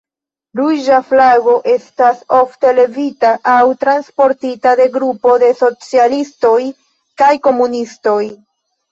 Ruĝa flago estas ofte levita aŭ transportita de grupo de socialistoj kaj komunistoj.